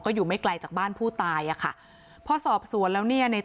อยู่ไม่ไกลจากบ้านผู้ตายอ่ะค่ะพอสอบสวนแล้วเนี่ยใน